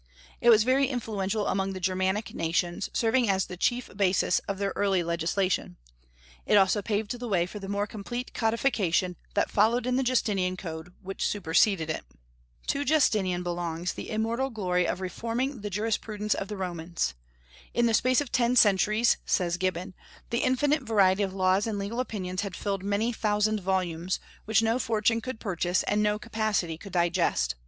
It was very influential among the Germanic nations, serving as the chief basis of their early legislation; it also paved the way for the more complete codification that followed in the Justinian Code, which superseded it. To Justinian belongs the immortal glory of reforming the jurisprudence of the Romans. "In the space of ten centuries," says Gibbon, "the infinite variety of laws and legal opinions had filled many thousand volumes, which no fortune could purchase, and no capacity could digest.